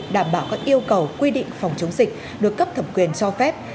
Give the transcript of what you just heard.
đảm bảo các yêu cầu quy định phòng chống dịch được cấp thẩm quyền cho phép